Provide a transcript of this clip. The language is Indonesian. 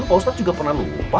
pak ustadz juga pernah lupa